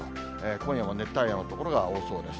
今夜も熱帯夜の所が多そうです。